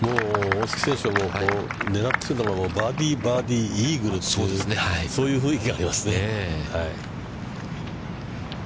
大槻選手は、狙ってバーディー、バーディー、イーグルというそういう雰囲気がありますね。